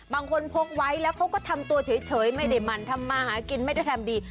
บางคนพกไว้แล้วเขาก็ทำตัวเฉยไม่ได้มันทำมาหากินไม่ได้ทำดี